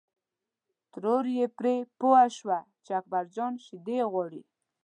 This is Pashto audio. ترور یې پرې پوه شوه چې اکبر جان شیدې غواړي.